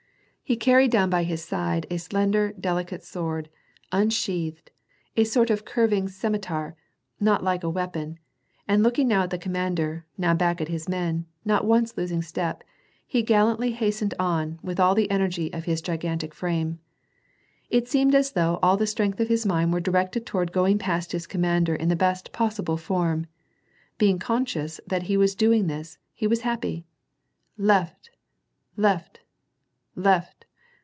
He carried down by his side a slender, delicate sword, un sheathed, a sort of curving scimetar, not like a weapon, and looking now at the commander, now back at his men, not (nice losing step, he gallantly hastened on, with all the energy of his gigantic frame. It seemed as though all the strength of his mind were directed toward going past his commander in the best possible form *; being conscious that he was doing this, he was happy. Left! left! left!